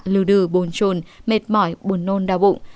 lưu đừ bồn trồn mệt mỏi bồn nôn đau bụng